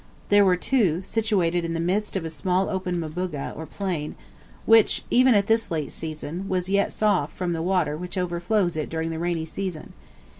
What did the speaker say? There were two, situated in the midst of a small open mbuga, or plain, which, even at this late season, was yet soft from the water which overflows it during the rainy season.